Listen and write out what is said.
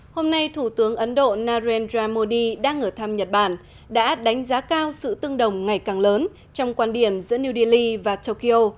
hôm nay thủ tướng ấn độ narendra modi đang ở thăm nhật bản đã đánh giá cao sự tương đồng ngày càng lớn trong quan điểm giữa new delhi và tokyo